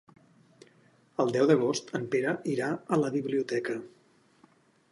El deu d'agost en Pere irà a la biblioteca.